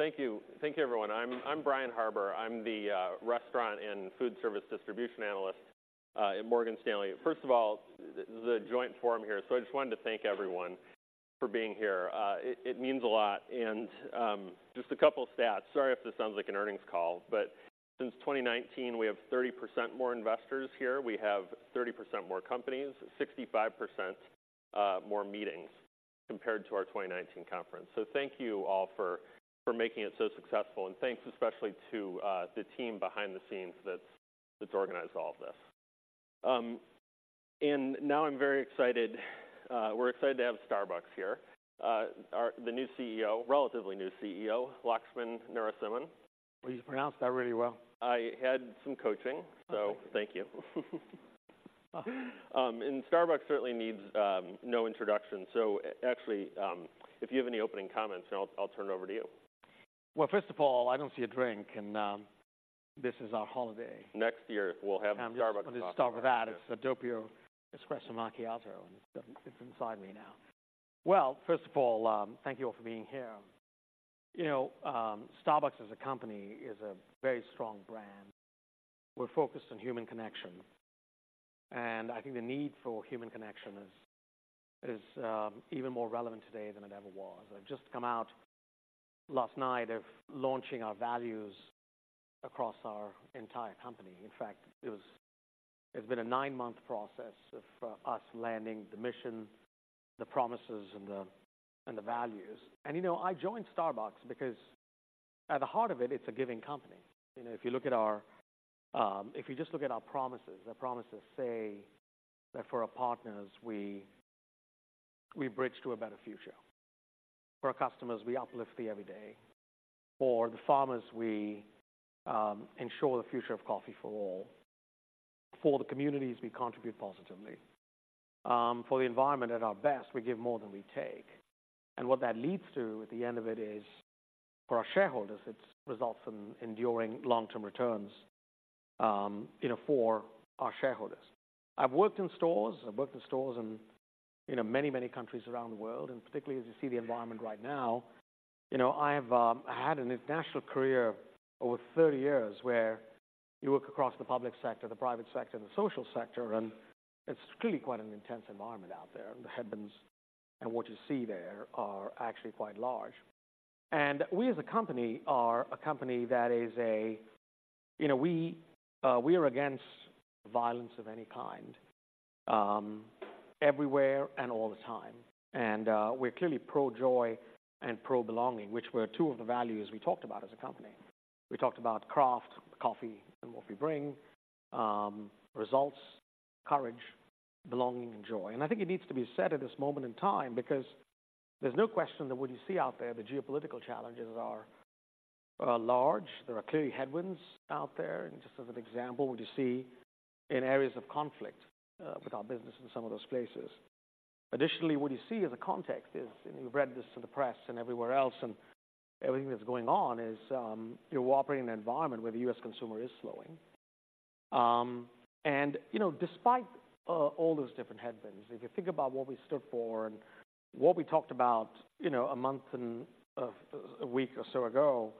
Thank you. Thank you, everyone. I'm Brian Harbour. I'm the restaurant and food service distribution analyst at Morgan Stanley. First of all, this is a joint forum here, so I just wanted to thank everyone for being here. It means a lot. And just a couple stats. Sorry if this sounds like an earnings call, but since 2019, we have 30% more investors here. We have 30% more companies, 65% more meetings compared to our 2019 conference. So thank you all for making it so successful, and thanks especially to the team behind the scenes that's organized all of this. And now I'm very excited. We're excited to have Starbucks here. Our... The new CEO, relatively new CEO, Laxman Narasimhan. Well, you pronounced that really well. I had some coaching, so thank you. Starbucks certainly needs no introduction. Actually, if you have any opening comments, then I'll turn it over to you. Well, first of all, I don't see a drink, and this is our holiday. Next year, we'll have Starbucks coffee. I'll just start with that. It's a Doppio Espresso Macchiato, and it's, it's inside me now. Well, first of all, thank you all for being here. You know, Starbucks as a company is a very strong brand. We're focused on human connection, and I think the need for human connection is even more relevant today than it ever was. I've just come out last night of launching our values across our entire company. In fact, it's been a nine-month process of us landing the mission, the promises, and the values. And, you know, I joined Starbucks because at the heart of it, it's a giving company. You know, if you look at our... If you just look at our promises, the promises say that for our partners, we bridge to a better future. For our customers, we uplift the every day. For the farmers, we ensure the future of coffee for all. For the communities, we contribute positively. For the environment, at our best, we give more than we take. And what that leads to at the end of it is, for our shareholders, it results in enduring long-term returns, you know, for our shareholders. I've worked in stores. I've worked in stores in, you know, many, many countries around the world, and particularly as you see the environment right now, you know, I've had an international career over thirty years, where you work across the public sector, the private sector, and the social sector, and it's clearly quite an intense environment out there. The headwinds and what you see there are actually quite large. And we, as a company, are a company that is a... You know, we are against violence of any kind, everywhere and all the time. And we're clearly pro-joy and pro-belonging, which were two of the values we talked about as a company. We talked about craft, coffee, and what we bring, results, courage, belonging, and joy. And I think it needs to be said at this moment in time, because there's no question that what you see out there, the geopolitical challenges are large. There are clearly headwinds out there, and just as an example, what you see in areas of conflict with our business in some of those places. Additionally, what you see as a context is, and you've read this in the press and everywhere else, and everything that's going on, is you operate in an environment where the U.S. consumer is slowing. And, you know, despite all those different headwinds, if you think about what we stood for and what we talked about, you know, a month and a week or so ago,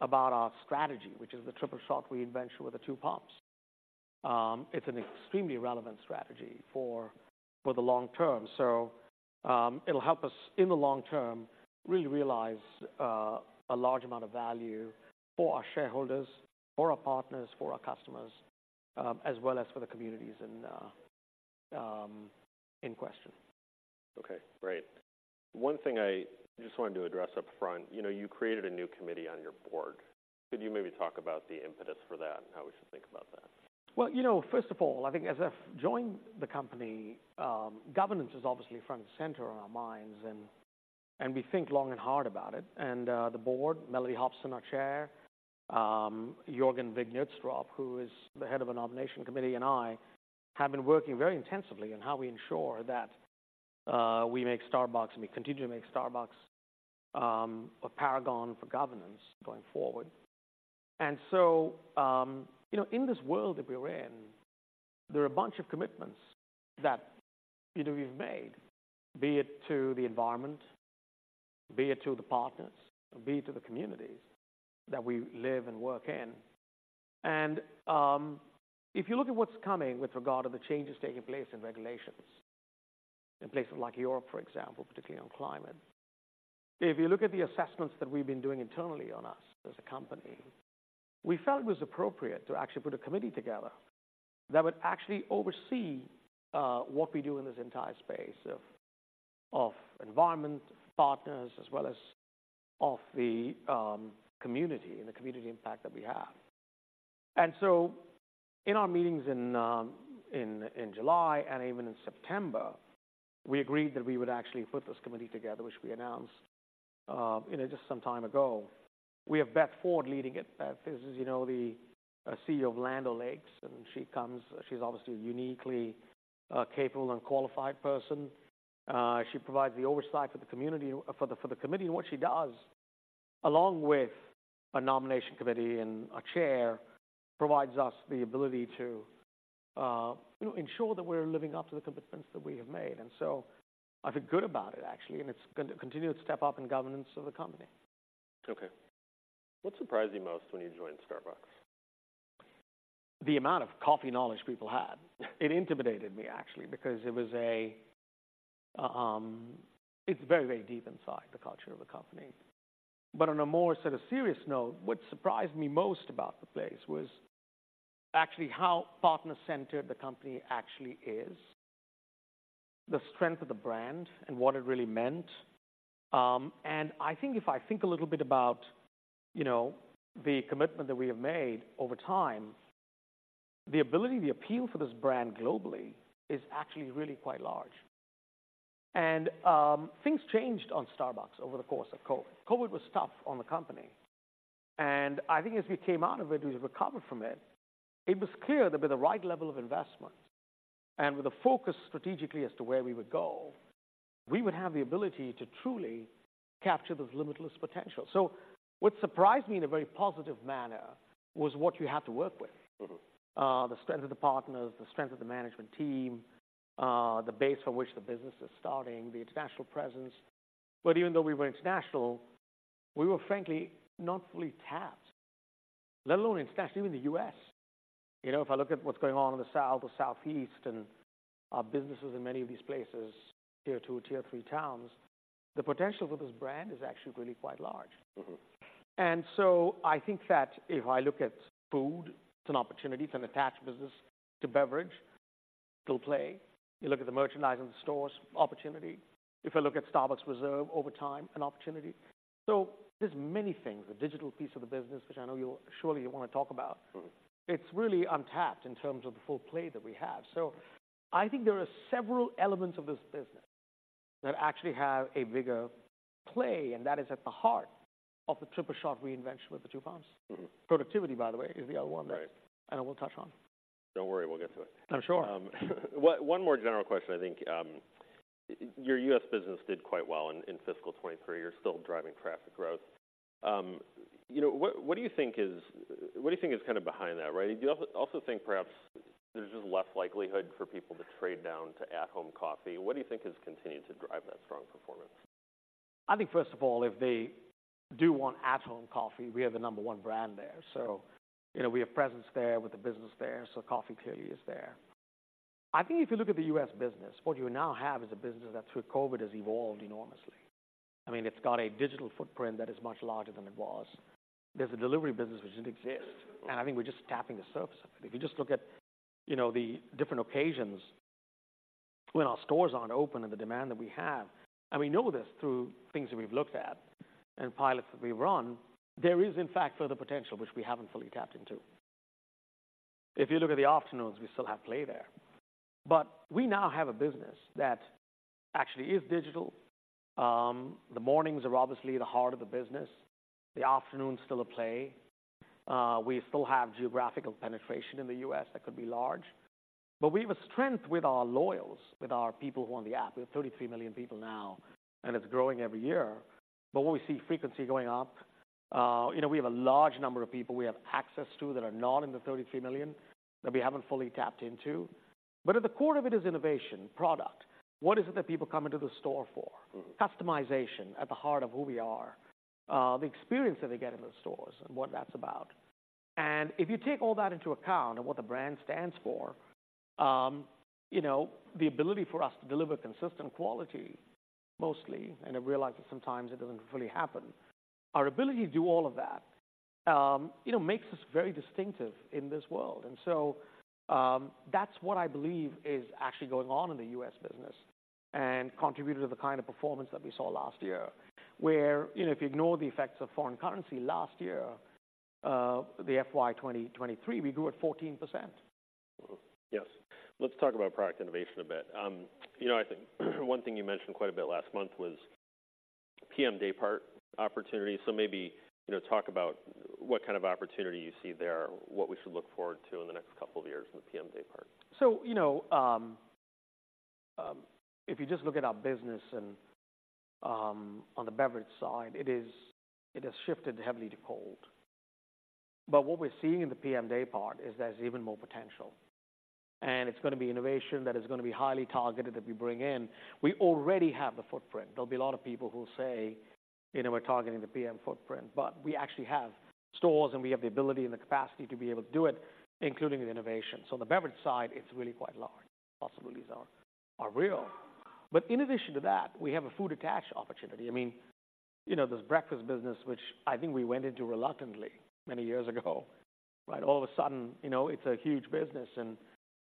about our strategy, which is the Triple Shot we invented with the two pumps. It's an extremely relevant strategy for the long term. So, it'll help us, in the long term, really realize a large amount of value for our shareholders, for our partners, for our customers, as well as for the communities and in question. Okay, great. One thing I just wanted to address upfront, you know, you created a new committee on your board. Could you maybe talk about the impetus for that and how we should think about that? Well, you know, first of all, I think as I've joined the company, governance is obviously front and center on our minds, and we think long and hard about it. And the board, Mellody Hobson, our Chair, Jørgen Vig Knudstorp, who is the head of the nomination committee, and I, have been working very intensively on how we ensure that we make Starbucks, and we continue to make Starbucks, a paragon for governance going forward. And so, you know, in this world that we're in, there are a bunch of commitments that, you know, we've made, be it to the environment, be it to the partners, or be it to the communities that we live and work in. And, if you look at what's coming with regard to the changes taking place in regulations in places like Europe, for example, particularly on climate, if you look at the assessments that we've been doing internally on us as a company, we felt it was appropriate to actually put a committee together that would actually oversee what we do in this entire space of environment, partners, as well as of the community and the community impact that we have. And so in our meetings in July and even in September, we agreed that we would actually put this committee together, which we announced, you know, just some time ago. We have Beth Ford leading it. Beth is, as you know, the CEO of Land O'Lakes, and she comes... She's obviously a uniquely capable and qualified person. She provides the oversight for the community, for the committee. What she does, along with a nomination committee and a chair, provides us the ability to—you know, ensure that we're living up to the commitments that we have made. And so I feel good about it, actually, and it's going to continue to step up in governance of the company. Okay. What surprised you most when you joined Starbucks? The amount of coffee knowledge people had. It intimidated me, actually, because it was a. It's very, very deep inside the culture of the company. But on a more sort of serious note, what surprised me most about the place was actually how partner-centered the company actually is, the strength of the brand and what it really meant. And I think if I think a little bit about, you know, the commitment that we have made over time, the ability, the appeal for this brand globally is actually really quite large. And, things changed on Starbucks over the course of COVID. COVID was tough on the company, and I think as we came out of it, we recovered from it. It was clear that with the right level of investment and with a focus strategically as to where we would go, we would have the ability to truly capture this limitless potential. So what surprised me in a very positive manner was what you had to work with. Mm-hmm. The strength of the partners, the strength of the management team, the base from which the business is starting, the international presence. But even though we were international, we were frankly not fully tapped, let alone international, even in the U.S. You know, if I look at what's going on in the South or Southeast and our businesses in many of these places, Tier 2, Tier 3 towns, the potential for this brand is actually really quite large. Mm-hmm. And so I think that if I look at food, it's an opportunity, it's an attached business to beverage. Still play. You look at the merchandise in the stores, opportunity. If I look at Starbucks Reserve over time, an opportunity. So there's many things, the digital piece of the business, which I know you'll, surely you want to talk about. Mm-hmm. It's really untapped in terms of the full play that we have. So I think there are several elements of this business that actually have a bigger play, and that is at the heart of the Triple Shot Reinvention with Two Pumps. Mm-hmm. Productivity, by the way, is the other one that- Right. I know we'll touch on. Don't worry, we'll get to it. I'm sure. One more general question. I think your U.S. business did quite well in fiscal 2023. You're still driving traffic growth. You know, what do you think is... What do you think is kind of behind that, right? Do you also think perhaps there's just less likelihood for people to trade down to at-home coffee? What do you think has continued to drive that strong performance? I think, first of all, if they do want at-home coffee, we are the number one brand there. So, you know, we have presence there with the business there, so coffee clearly is there. I think if you look at the U.S. business, what you now have is a business that, through COVID, has evolved enormously. I mean, it's got a digital footprint that is much larger than it was. There's a delivery business, which didn't exist, and I think we're just tapping the surface of it. If you just look at, you know, the different occasions when our stores aren't open and the demand that we have, and we know this through things that we've looked at and pilots that we've run, there is, in fact, further potential, which we haven't fully tapped into. If you look at the afternoons, we still have play there, but we now have a business that actually is digital. The mornings are obviously the heart of the business. The afternoons, still at play. We still have geographical penetration in the U.S. that could be large. But we have a strength with our loyals, with our people who are on the app. We have 33 million people now, and it's growing every year. But when we see frequency going up, you know, we have a large number of people we have access to that are not in the 33 million that we haven't fully tapped into. But at the core of it is innovation, product. What is it that people come into the store for? Mm-hmm. Customization at the heart of who we are, the experience that they get in the stores and what that's about. And if you take all that into account and what the brand stands for, you know, the ability for us to deliver consistent quality, mostly, and I realize that sometimes it doesn't fully happen. Our ability to do all of that, you know, makes us very distinctive in this world. And so, that's what I believe is actually going on in the U.S. business and contributed to the kind of performance that we saw last year, where, you know, if you ignore the effects of foreign currency, last year, the FY 2023, we grew at 14%. Mm-hmm. Yes. Let's talk about product innovation a bit. You know, I think, one thing you mentioned quite a bit last month was PM daypart opportunities. So maybe, you know, talk about what kind of opportunity you see there, what we should look forward to in the next couple of years in the PM daypart. So, you know, if you just look at our business and, on the beverage side, it has shifted heavily to cold. But what we're seeing in the PM daypart is there's even more potential, and it's going to be innovation that is going to be highly targeted that we bring in. We already have the footprint. There'll be a lot of people who will say, "You know, we're targeting the PM footprint," but we actually have stores, and we have the ability and the capacity to be able to do it, including the innovation. So the beverage side, it's really quite large. Possibilities are real. But in addition to that, we have a food attach opportunity. I mean, you know, this breakfast business, which I think we went into reluctantly many years ago, right? All of a sudden, you know, it's a huge business, and,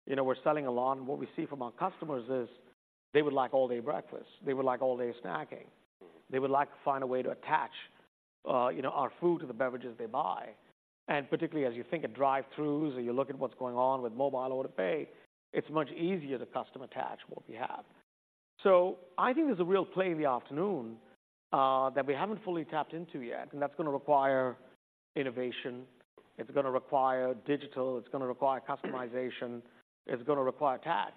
you know, we're selling a lot. And what we see from our customers is they would like all-day breakfast. They would like all-day snacking. Mm-hmm. They would like to find a way to attach, you know, our food to the beverages they buy. And particularly, as you think of drive-throughs or you look at what's going on with Mobile Order Pay, it's much easier to custom attach what we have. So I think there's a real play in the afternoon that we haven't fully tapped into yet, and that's going to require innovation. It's going to require digital. It's going to require customization. It's going to require attach.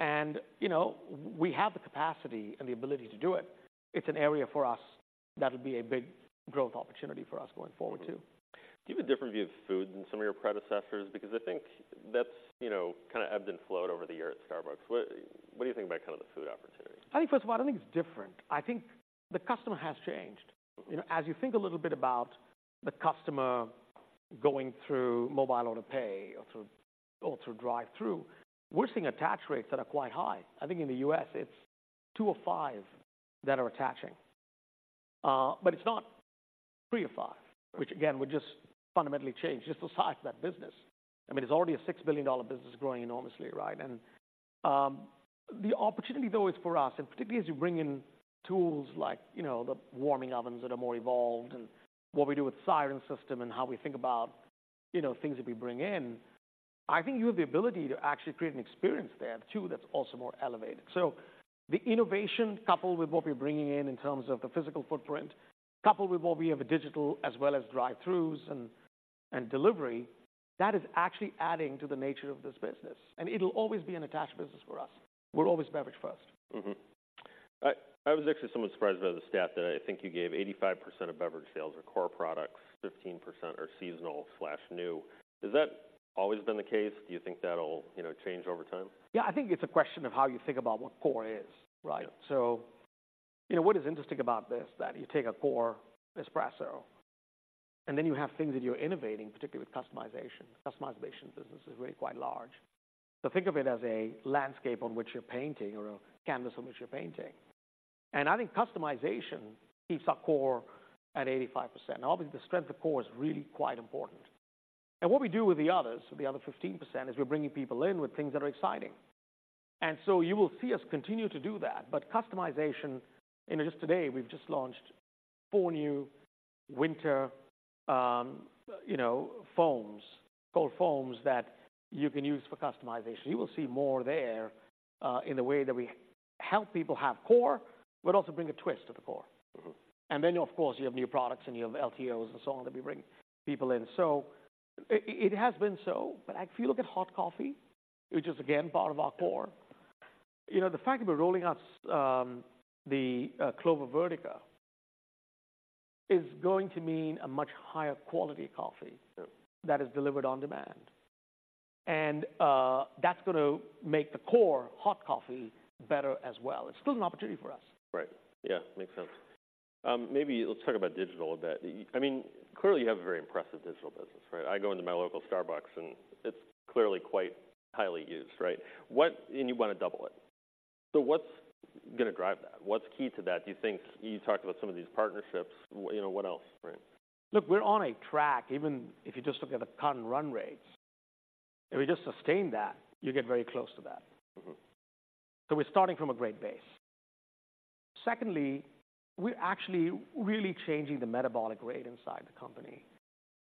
And, you know, we have the capacity and the ability to do it. It's an area for us that'll be a big growth opportunity for us going forward, too. Do you have a different view of food than some of your predecessors? Because I think that's, you know, kind of ebbed and flowed over the years at Starbucks. What, what do you think about kind of the food opportunities? I think, first of all, I don't think it's different. I think the customer has changed. You know, as you think a little bit about the customer going through Mobile Order Pay or through drive-thru, we're seeing attach rates that are quite high. I think in the U.S., it's two of five that are attaching. But it's not three of five, which again, would just fundamentally change just the size of that business. I mean, it's already a $6 billion business growing enormously, right? And the opportunity, though, is for us, and particularly as you bring in tools like, you know, the warming ovens that are more evolved and what we do with Siren System and how we think about, you know, things that we bring in, I think you have the ability to actually create an experience there, too, that's also more elevated. So the innovation, coupled with what we're bringing in, in terms of the physical footprint, coupled with what we have a digital as well as drive-thrus and delivery, that is actually adding to the nature of this business, and it'll always be an attached business for us. We're always beverage first. Mm-hmm. I was actually somewhat surprised by the stat that I think you gave, 85% of beverage sales are core products, 15% are seasonal/new. Has that always been the case? Do you think that'll, you know, change over time? Yeah, I think it's a question of how you think about what core is, right? Yeah. So, you know, what is interesting about this, that you take a core espresso, and then you have things that you're innovating, particularly with customization. Customization business is really quite large. So think of it as a landscape on which you're painting or a canvas on which you're painting. And I think customization keeps our core at 85%. Obviously, the strength of core is really quite important. And what we do with the others, so the other 15%, is we're bringing people in with things that are exciting. And so you will see us continue to do that. But customization, and just today, we've just launched four new winter, you know, foams, cold foams that you can use for customization. You will see more there, in the way that we help people have core, but also bring a twist to the core. Mm-hmm. And then, of course, you have new products, and you have LTOs and so on, that we bring people in. So it has been so, but if you look at hot coffee, which is, again, part of our core, you know, the fact that we're rolling out the Clover Vertica is going to mean a much higher quality coffee- Sure. -that is delivered on demand. And, that's going to make the core hot coffee better as well. It's still an opportunity for us. Right. Yeah, makes sense. Maybe let's talk about digital a bit. I mean, clearly, you have a very impressive digital business, right? I go into my local Starbucks, and it's clearly quite highly used, right? What... And you want to double it. So what's going to drive that? What's key to that, do you think? You talked about some of these partnerships. You know, what else, right? Look, we're on a track, even if you just look at the current run rates. If we just sustain that, you get very close to that. Mm-hmm. So we're starting from a great base. Secondly, we're actually really changing the metabolic rate inside the company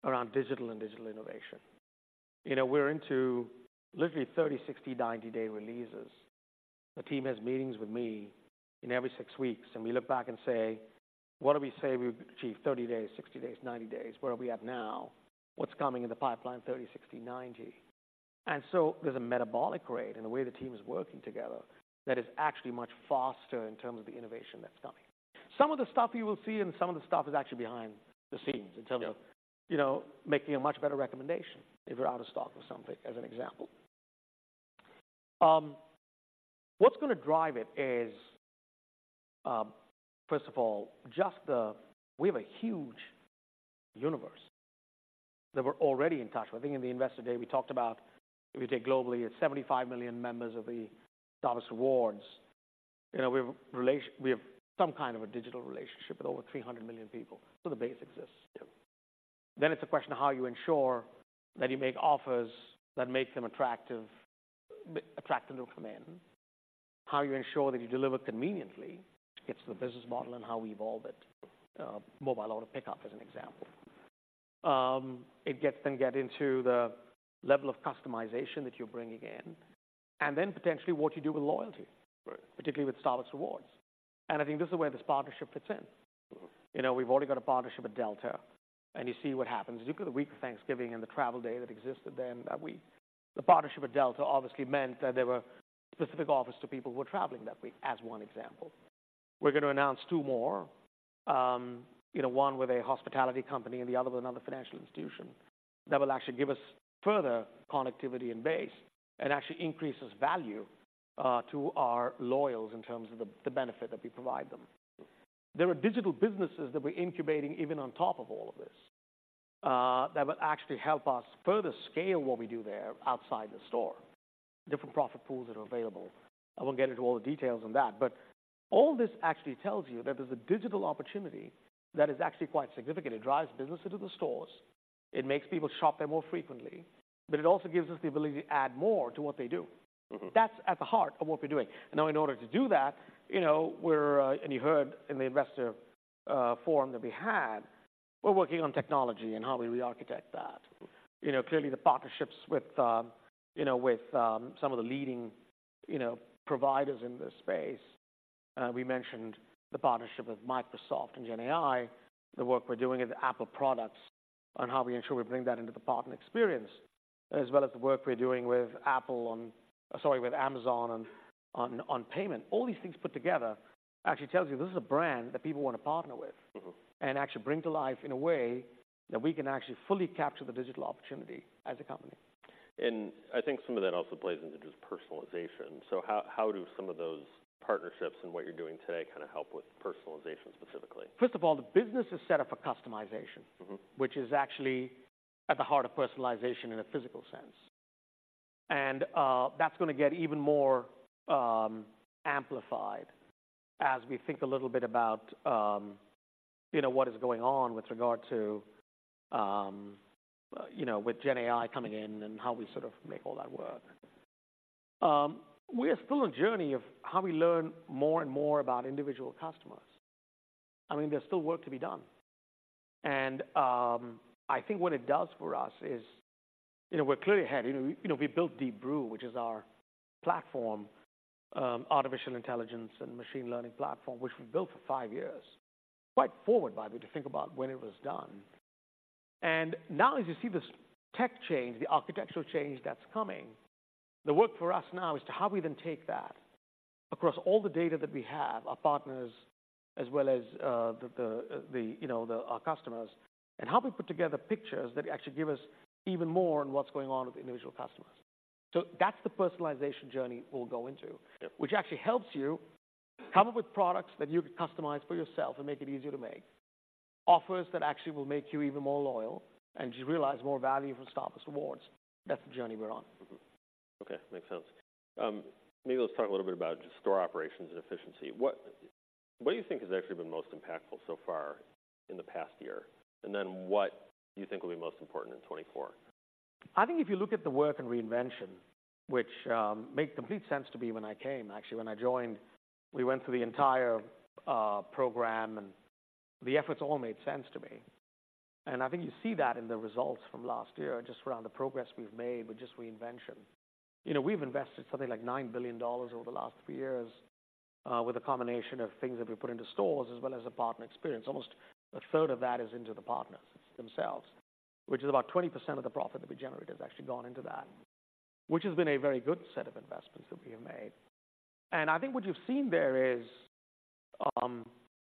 around digital and digital innovation. You know, we're into literally 30-, 60-, 90-day releases. The team has meetings with me every six weeks, and we look back and say, "What do we say we've achieved 30 days, 60 days, 90 days? Where are we at now? What's coming in the pipeline, 30, 60, 90?" And so there's a metabolic rate in the way the team is working together that is actually much faster in terms of the innovation that's coming. Some of the stuff you will see, and some of the stuff is actually behind the scenes- Yeah In terms of, you know, making a much better recommendation if you're out of stock or something, as an example. What's going to drive it is, first of all, just the... We have a huge universe that we're already in touch with. I think in the Investor Day, we talked about if you take globally, it's 75 million members of the Starbucks Rewards. You know, we have some kind of a digital relationship with over 300 million people, so the base exists. Yeah. Then it's a question of how you ensure that you make offers that make them attractive, attract them to come in, how you ensure that you deliver conveniently, which gets to the business model and how we evolve it. Mobile Order Pickup, as an example. It gets, then get into the level of customization that you're bringing in and then potentially what you do with loyalty- Right. particularly with Starbucks Rewards. I think this is where this partnership fits in. Mm-hmm. You know, we've already got a partnership with Delta, and you see what happens. You look at the week of Thanksgiving and the travel day that existed then, that week. The partnership with Delta obviously meant that there were specific offers to people who were traveling that week, as one example. We're going to announce two more, you know, one with a hospitality company and the other with another financial institution. That will actually give us further connectivity and base and actually increases value to our loyals in terms of the benefit that we provide them. There are digital businesses that we're incubating even on top of all of this, that will actually help us further scale what we do there outside the store. Different profit pools that are available. I won't get into all the details on that, but all this actually tells you that there's a digital opportunity that is actually quite significant. It drives businesses to the stores, it makes people shop there more frequently, but it also gives us the ability to add more to what they do. Mm-hmm. That's at the heart of what we're doing. Now, in order to do that, you know, we're. You heard in the investor forum that we had, we're working on technology and how we rearchitect that. You know, clearly, the partnerships with, you know, with some of the leading, you know, providers in this space. We mentioned the partnership with Microsoft and Gen AI, the work we're doing with Apple products, and how we ensure we bring that into the partner experience, as well as the work we're doing with Apple on—sorry, with Amazon on payment. All these things put together actually tells you this is a brand that people want to partner with. Mm-hmm. and actually bring to life in a way that we can actually fully capture the digital opportunity as a company. I think some of that also plays into just personalization. How do some of those partnerships and what you're doing today kind of help with personalization specifically? First of all, the business is set up for customization- Mm-hmm. -which is actually at the heart of personalization in a physical sense. That's gonna get even more amplified as we think a little bit about, you know, what is going on with regard to, you know, with Gen AI coming in and how we sort of make all that work. We are still on a journey of how we learn more and more about individual customers. I mean, there's still work to be done. I think what it does for us is, you know, we're clearly ahead. You know, we, you know, we built Deep Brew, which is our platform, artificial intelligence and machine learning platform, which we built for five years. Quite forward, by the way, to think about when it was done. Now, as you see this tech change, the architectural change that's coming, the work for us now is to how we then take that across all the data that we have, our partners, as well as, you know, our customers, and how we put together pictures that actually give us even more on what's going on with the individual customers. So that's the personalization journey we'll go into. Yeah. Which actually helps you come up with products that you can customize for yourself and make it easier to make offers that actually will make you even more loyal and just realize more value from Starbucks Rewards. That's the journey we're on. Mm-hmm. Okay, makes sense. Maybe let's talk a little bit about just store operations and efficiency. What, what do you think has actually been most impactful so far in the past year? And then what do you think will be most important in 2024? I think if you look at the work in reinvention, which made complete sense to me when I came, actually, when I joined, we went through the entire program, and the efforts all made sense to me. And I think you see that in the results from last year, just around the progress we've made with just reinvention. You know, we've invested something like $9 billion over the last three years with a combination of things that we put into stores as well as the partner experience. Almost a third of that is into the partners themselves, which is about 20% of the profit that we generate has actually gone into that, which has been a very good set of investments that we have made. I think what you've seen there is,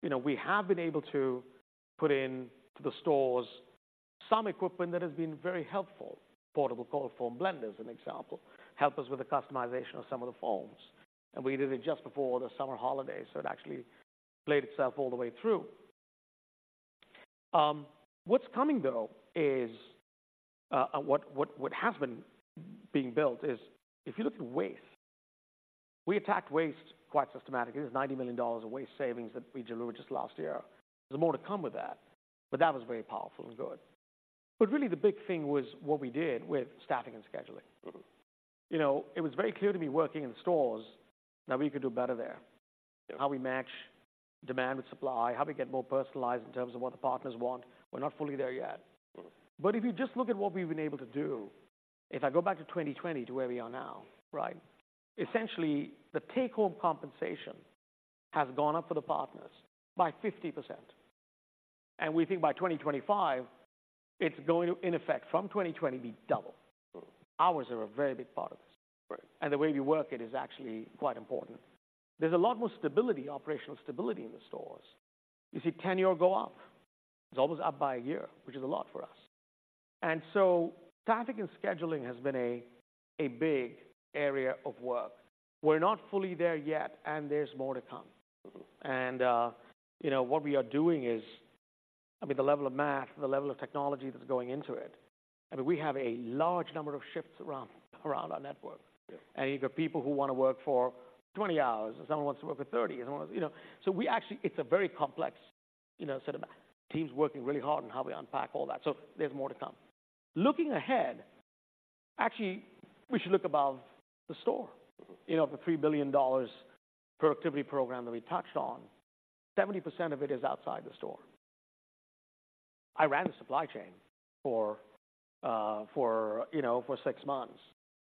you know, we have been able to put in the stores some equipment that has been very helpful. Portable cold foam blenders, an example, help us with the customization of some of the foams, and we did it just before the summer holidays, so it actually played itself all the way through. What's coming, though, is what has been being built is, if you look at waste, we attacked waste quite systematically. There's $90 million of waste savings that we delivered just last year. There's more to come with that, but that was very powerful and good. But really the big thing was what we did with staffing and scheduling. Mm-hmm. You know, it was very clear to me, working in stores, that we could do better there. Yeah. How we match demand with supply, how we get more personalized in terms of what the partners want. We're not fully there yet. Mm-hmm. But if you just look at what we've been able to do, if I go back to 2020, to where we are now, right? Essentially, the take-home compensation has gone up for the partners by 50%, and we think by 2025, it's going to, in effect, from 2020, be double. Mm-hmm. Hours are a very big part of this. Right. The way we work it is actually quite important. There's a lot more stability, operational stability in the stores. You see tenure go up. It's almost up by a year, which is a lot for us. And so staffing and scheduling has been a big area of work. We're not fully there yet, and there's more to come. Mm-hmm. You know, what we are doing is, I mean, the level of math, the level of technology that's going into it. I mean, we have a large number of shifts around our network. Yeah. You've got people who want to work for 20 hours, and someone wants to work for 30, and someone wants... You know? So we actually—it's a very complex, you know, set of... Team's working really hard on how we unpack all that, so there's more to come. Looking ahead, actually, we should look above the store. Mm-hmm. You know, the $3 billion productivity program that we touched on, 70% of it is outside the store. I ran the supply chain for, for, you know, for six months,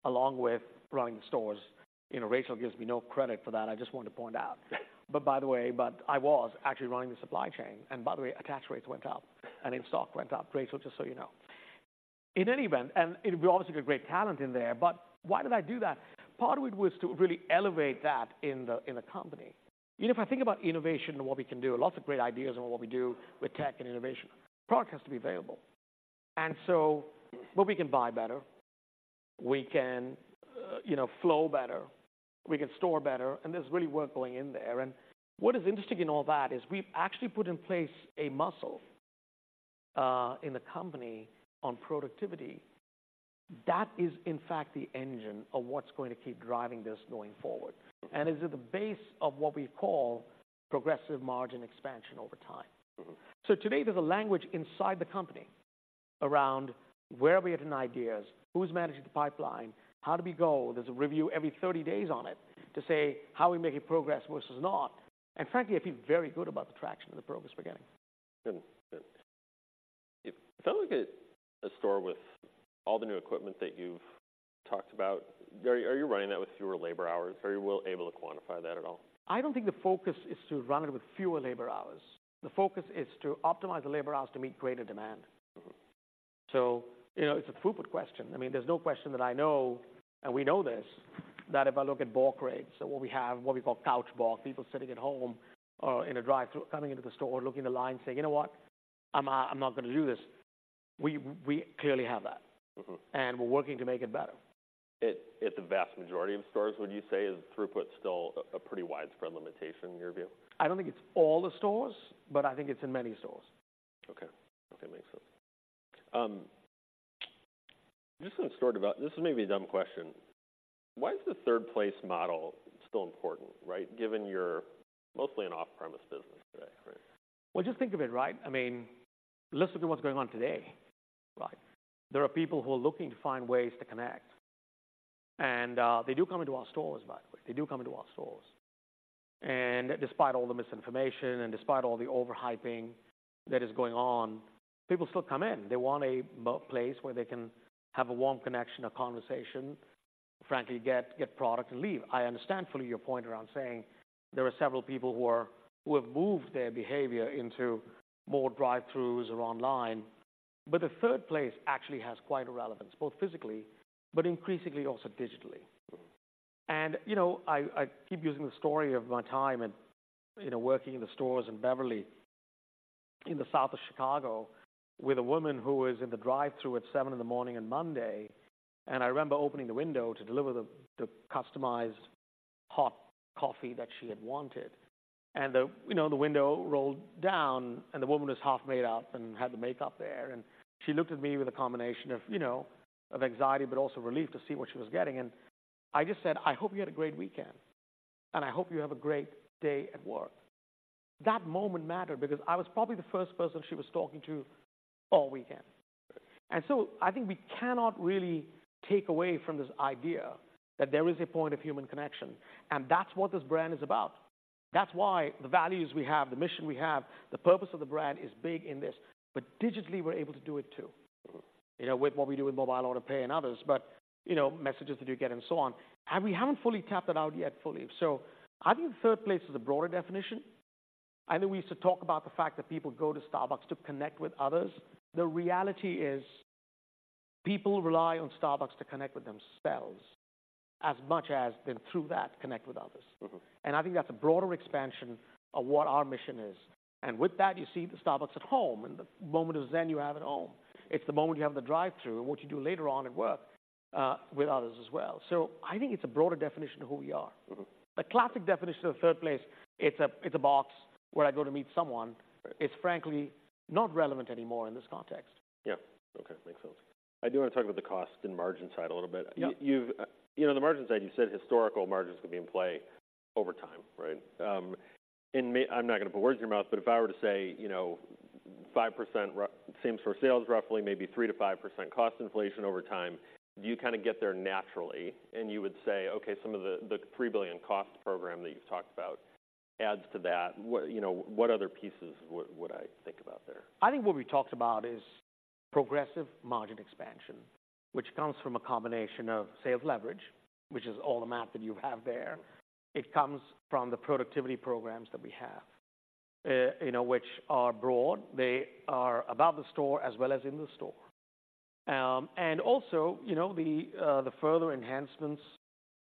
along with running the stores. You know, Rachel gives me no credit for that, I just want to point out. But by the way, I was actually running the supply chain, and by the way, attach rates went up and in-stock went up, Rachel, just so you know. In any event, we obviously got great talent in there, but why did I do that? Part of it was to really elevate that in the, in the company. You know, if I think about innovation and what we can do, lots of great ideas on what we do with tech and innovation, product has to be available. Well, we can buy better, we can, you know, flow better, we can store better, and there's really work going in there. What is interesting in all that is we've actually put in place a muscle, in the company on productivity. That is, in fact, the engine of what's going to keep driving this going forward. Mm-hmm. It's at the base of what we call progressive margin expansion over time. Mm-hmm. Today there's a language inside the company around where are we at in ideas? Who's managing the pipeline? How do we go? There's a review every 30 days on it to say how are we making progress versus not. And frankly, I feel very good about the traction and the progress we're getting. Good. If I look at a store with all the new equipment that you've talked about, are you running that with fewer labor hours? Are you well able to quantify that at all? I don't think the focus is to run it with fewer labor hours. The focus is to optimize the labor hours to meet greater demand. Mm-hmm. So, you know, it's a throughput question. I mean, there's no question that I know, and we know this, that if I look at balk rates or what we have, what we call couch balk, people sitting at home or in a drive-through, coming into the store, looking at the line, saying, "You know what? I'm not gonna do this." We clearly have that. Mm-hmm. We're working to make it better. At the vast majority of stores, would you say, is throughput still a pretty widespread limitation in your view? I don't think it's all the stores, but I think it's in many stores. Okay. Okay, makes sense. Just going to store about... This may be a dumb question: Why is the Third place model still important, right? Given you're mostly an off-premise business today, right? Well, just think of it, right? I mean, let's look at what's going on today, right? There are people who are looking to find ways to connect, and they do come into our stores, by the way. They do come into our stores. And despite all the misinformation and despite all the over-hyping that is going on, people still come in. They want a place where they can have a warm connection, a conversation, frankly, get product and leave. I understand fully your point around saying there are several people who have moved their behavior into more drive-throughs or online, but the third place actually has quite a relevance, both physically but increasingly also digitally. Mm-hmm. You know, I, I keep using the story of my time in, you know, working in the stores in Beverly, in the South of Chicago, with a woman who was in the drive-through at 7:00 A.M. on Monday. I remember opening the window to deliver the customized hot coffee that she had wanted, and the, you know, window rolled down, and the woman was half made up and had the makeup there, and she looked at me with a combination of, you know, of anxiety, but also relief to see what she was getting. I just said, "I hope you had a great weekend, and I hope you have a great day at work." That moment mattered because I was probably the first person she was talking to all weekend. So I think we cannot really take away from this idea that there is a point of human connection, and that's what this brand is about. That's why the values we have, the mission we have, the purpose of the brand is big in this, but digitally, we're able to do it, too. Mm-hmm. You know, with what we do with Mobile Order Pay and others, but, you know, messages that you get and so on, and we haven't fully tapped that out yet fully. So I think third place is a broader definition. I think we used to talk about the fact that people go to Starbucks to connect with others. The reality is, people rely on Starbucks to connect with themselves as much as then through that, connect with others. Mm-hmm. I think that's a broader expansion of what our mission is. And with that, you see the Starbucks at home and the moment of zen you have at home. It's the moment you have in the drive-through and what you do later on at work, with others as well. I think it's a broader definition of who we are. Mm-hmm. The classic definition of Third Place, it's a, it's a box where I go to meet someone. It's frankly not relevant anymore in this context. Yeah. Okay, makes sense. I do want to talk about the cost and margin side a little bit. Yeah. You know, the margin side, you said historical margins could be in play over time, right? And I'm not going to put words in your mouth, but if I were to say, you know, 5% same store sales, roughly, maybe 3%-5% cost inflation over time, do you kind of get there naturally? And you would say, "Okay, some of the $3 billion cost program that you've talked about adds to that." What, you know, what other pieces would I think about there? I think what we talked about is progressive margin expansion, which comes from a combination of sales leverage, which is all the math that you have there. It comes from the productivity programs that we have, you know, which are broad. They are above the store as well as in the store. And also, you know, the further enhancements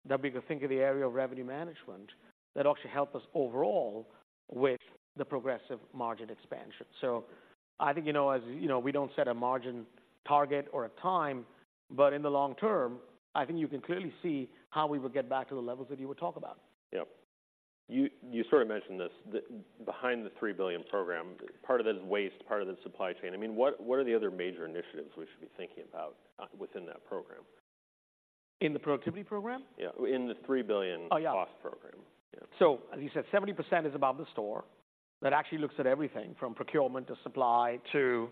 that we could think of the area of revenue management that actually help us overall with the progressive margin expansion. So I think, you know, as you know, we don't set a margin target or a time, but in the long term, I think you can clearly see how we would get back to the levels that you were talking about. Yep. You sort of mentioned this, behind the $3 billion program, part of that is waste, part of that is supply chain. I mean, what are the other major initiatives we should be thinking about within that program? In the productivity program? Yeah, in the $3 billion- Oh, yeah... cost program. Yeah. So as you said, 70% is above the store. That actually looks at everything from procurement to supply to,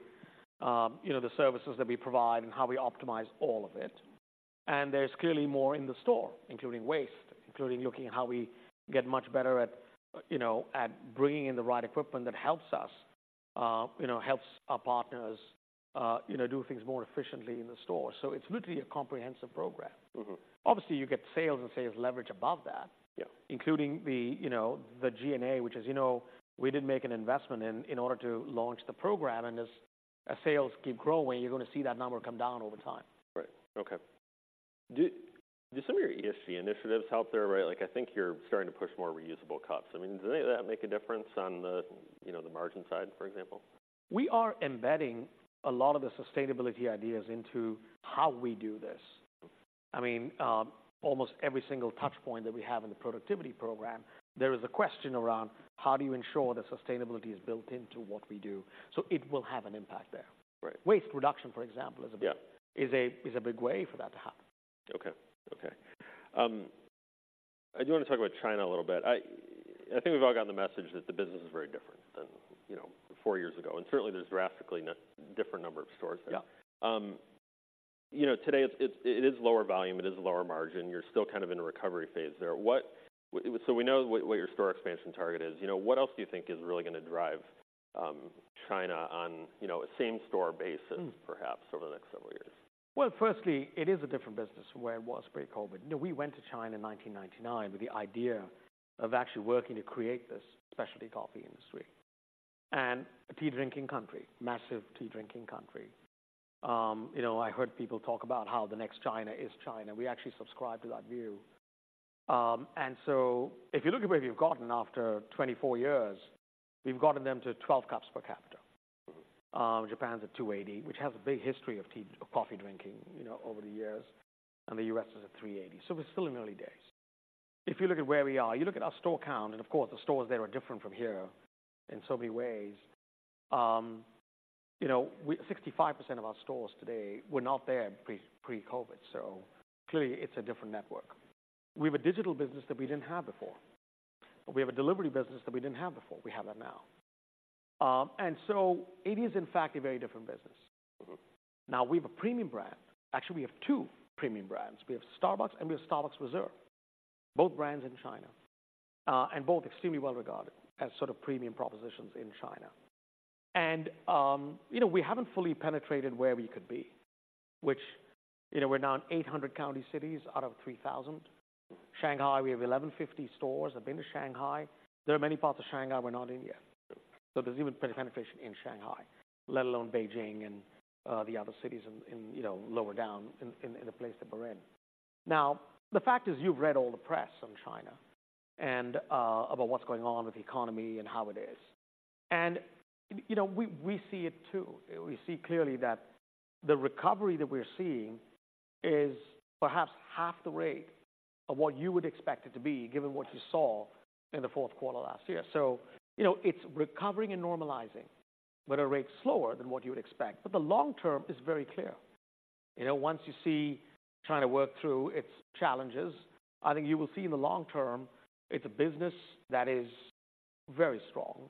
you know, the services that we provide and how we optimize all of it. And there's clearly more in the store, including waste, including looking at how we get much better at, you know, at bringing in the right equipment that helps us, you know, helps our partners, you know, do things more efficiently in the store. So it's literally a comprehensive program. Mm-hmm. Obviously, you get sales and sales leverage above that- Yeah... including the, you know, the GNA, which is, you know, we did make an investment in, in order to launch the program, and as our sales keep growing, you're going to see that number come down over time. Right. Okay. Do some of your ESG initiatives help there, right? Like, I think you're starting to push more reusable cups. I mean, does any of that make a difference on the, you know, the margin side, for example? We are embedding a lot of the sustainability ideas into how we do this. I mean, almost every single touch point that we have in the productivity program, there is a question around: How do you ensure that sustainability is built into what we do? So it will have an impact there. Right. Waste reduction, for example- Yeah... is a big way for that to happen. Okay. Okay. I do want to talk about China a little bit. I, I think we've all gotten the message that the business is very different than, you know, four years ago, and certainly, there's a drastically different number of stores there. Yeah. You know, today it's lower volume, it is lower margin. You're still kind of in a recovery phase there. What? So we know what your store expansion target is. You know, what else do you think is really gonna drive China on, you know, a same-store basis, perhaps, over the next several years? Well, firstly, it is a different business from where it was pre-COVID. You know, we went to China in 1999 with the idea of actually working to create this specialty coffee industry and a tea-drinking country, massive tea-drinking country. You know, I heard people talk about how the next China is China. We actually subscribe to that view. And so if you look at where we've gotten after 24 years, we've gotten them to 12 cups per capita. Japan's at 280, which has a big history of tea-coffee drinking, you know, over the years, and the US is at 380. So we're still in the early days. If you look at where we are, you look at our store count, and of course, the stores there are different from here in so many ways. You know, we 65% of our stores today were not there pre-COVID, so clearly, it's a different network. We have a digital business that we didn't have before. We have a delivery business that we didn't have before. We have that now. And so it is, in fact, a very different business. Mm-hmm. Now, we have a premium brand. Actually, we have two premium brands. We have Starbucks, and we have Starbucks Reserve, both brands in China, and both extremely well regarded as sort of premium propositions in China. And, you know, we haven't fully penetrated where we could be, which, you know, we're now in 800 county cities out of 3,000. Shanghai, we have 1,150 stores. I've been to Shanghai. There are many parts of Shanghai we're not in yet, so there's even penetration in Shanghai, let alone Beijing and, the other cities in, you know, lower down in the place that we're in. Now, the fact is, you've read all the press on China and, about what's going on with the economy and how it is. And, you know, we, we see it too. We see clearly that the recovery that we're seeing is perhaps half the rate of what you would expect it to be, given what you saw in the fourth quarter last year. So, you know, it's recovering and normalizing, but a rate slower than what you would expect, but the long term is very clear. You know, once you see China work through its challenges, I think you will see in the long term, it's a business that is very strong.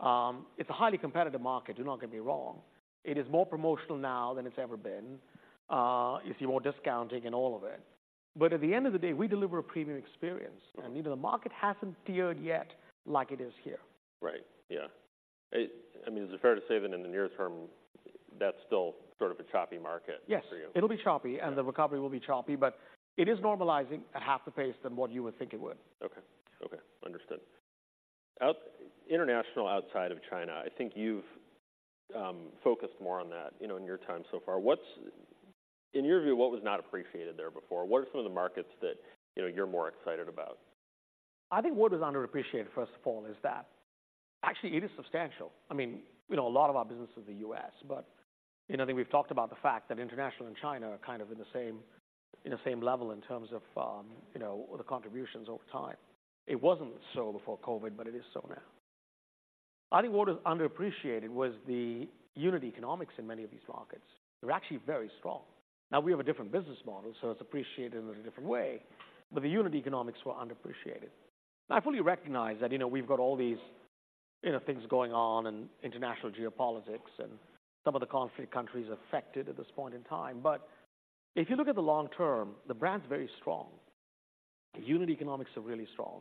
It's a highly competitive market, do not get me wrong. It is more promotional now than it's ever been, you see more discounting and all of it. But at the end of the day, we deliver a premium experience, and, you know, the market hasn't tiered yet like it is here. Right. Yeah. I mean, is it fair to say that in the near term, that's still sort of a choppy market for you? Yes, it'll be choppy, and the recovery will be choppy, but it is normalizing at half the pace than what you would think it would. Okay. Okay, understood. Outside international, outside of China, I think you've focused more on that, you know, in your time so far. What's... In your view, what was not appreciated there before? What are some of the markets that, you know, you're more excited about? I think what was underappreciated, first of all, is that actually it is substantial. I mean, you know, a lot of our business is in the U.S., but, you know, I think we've talked about the fact that international and China are kind of in the same, in the same level in terms of, you know, the contributions over time. It wasn't so before COVID, but it is so now. I think what is underappreciated was the unit economics in many of these markets. They're actually very strong. Now, we have a different business model, so it's appreciated in a different way, but the unit economics were underappreciated. I fully recognize that, you know, we've got all these, you know, things going on in international geopolitics and some of the conflict countries affected at this point in time. But if you look at the long term, the brand's very strong. Unit economics are really strong.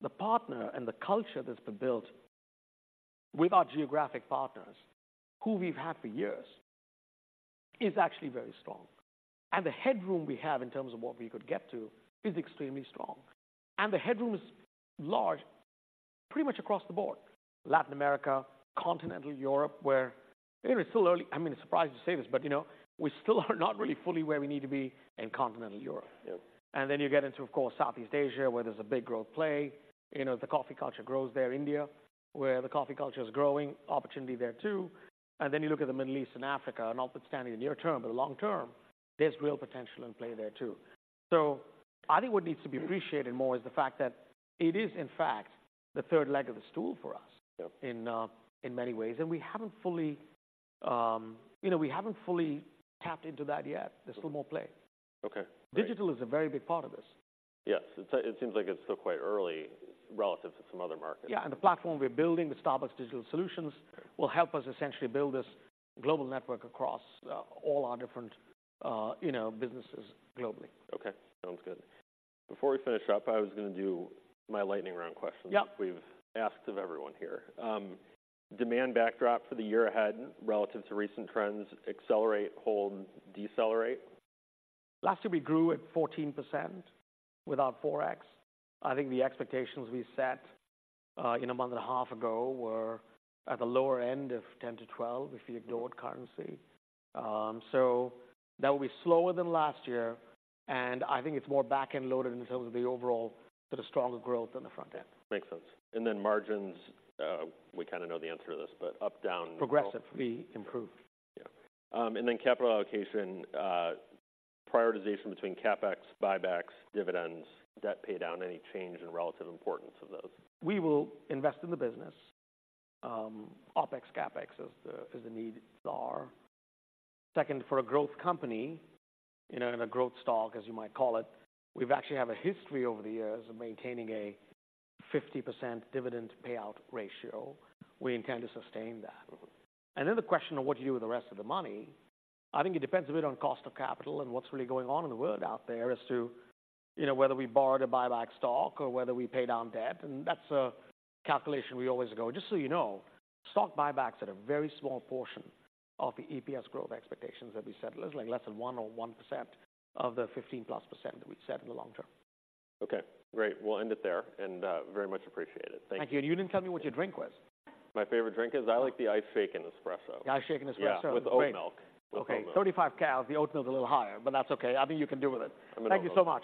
The partner and the culture that's been built with our geographic partners, who we've had for years, is actually very strong. And the headroom we have in terms of what we could get to is extremely strong. And the headroom is large, pretty much across the board. Latin America, Continental Europe, where, you know, it's still early. I mean, it's surprising to say this, but, you know, we still are not really fully where we need to be in Continental Europe. Yep. And then you get into, of course, Southeast Asia, where there's a big growth play. You know, the coffee culture grows there. India, where the coffee culture is growing, opportunity there, too. And then you look at the Middle East and Africa, and notwithstanding the near term, but long term, there's real potential in play there, too. So I think what needs to be appreciated more is the fact that it is, in fact, the third leg of the stool for us- Yep... in many ways. And we haven't fully, you know, tapped into that yet. There's still more play. Okay. Digital is a very big part of this. Yes, it seems like it's still quite early relative to some other markets. Yeah, and the platform we're building, the Starbucks Digital Solutions, will help us essentially build this global network across all our different, you know, businesses globally. Okay, sounds good. Before we finish up, I was gonna do my lightning round questions- Yep... we've asked of everyone here. Demand backdrop for the year ahead, relative to recent trends, accelerate, hold, decelerate? Last year, we grew at 14% without Forex. I think the expectations we set in a month and a half ago were at the lower end of 10%-12%, if we ignored currency. So that will be slower than last year, and I think it's more back-end loaded in terms of the overall, but a stronger growth than the front end. Makes sense. And then margins, we kind of know the answer to this, but up, down? Progressively improved. Yeah. And then capital allocation, prioritization between CapEx, buybacks, dividends, debt paydown, any change in relative importance of those? We will invest in the business, OpEx, CapEx, as the needs are. Second, for a growth company, you know, and a growth stock, as you might call it, we've actually have a history over the years of maintaining a 50% dividend payout ratio. We intend to sustain that. Mm-hmm. Then the question of what do you do with the rest of the money, I think it depends a bit on cost of capital and what's really going on in the world out there as to, you know, whether we borrow to buy back stock or whether we pay down debt, and that's a calculation we always go. Just so you know, stock buybacks are a very small portion of the EPS growth expectations that we set. It's like less than 1% or 1% of the 15%+ that we've set in the long term. Okay, great. We'll end it there, and, very much appreciated. Thank you. Thank you. You didn't tell me what your drink was. My favorite drink is... I like the Iced Shaken Espresso. The Iced Shaken Espresso. Yeah, with oat milk. Okay. With oat milk. 35 cal, the oat milk is a little higher, but that's okay. I think you can do with it. I'm gonna do it. Thank you so much.